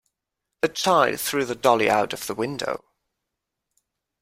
The child threw the dolly out of the window.